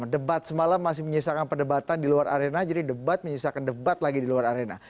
debat semalam masih menyisakan perdebatan di luar arena jadi debat menyisakan debat lagi di luar arena